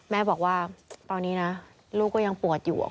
แม่บอกว่าตอนนี้นะลูกก็ยังปวดอยู่